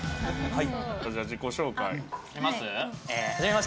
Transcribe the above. はい。